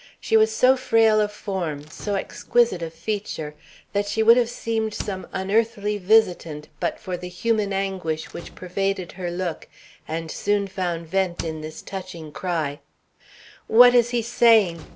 She was so frail of form, so exquisite of feature, that she would have seemed some unearthly visitant but for the human anguish which pervaded her look and soon found vent in this touching cry: "What is he saying?